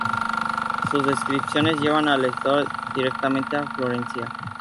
Sus descripciones llevan al lector directamente a Florencia.